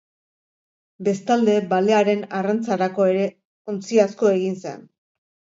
Bestalde, balearen arrantzarako ere ontzi asko egin zen.